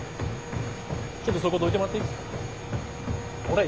ちょっとそこどいてもらっていい？